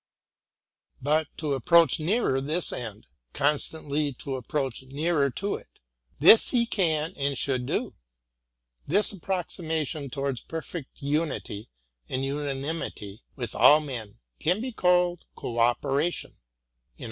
But to approach nearer this end, — constantly to ap proach nearer to it, — this he can and should do. This approximation towards perfect unity and unanimity with all men may be called co operation.